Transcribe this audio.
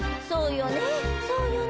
そうよね。